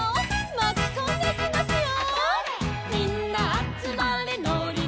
「まきこんでいきますよ」